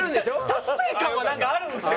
達成感はなんかあるんですよ。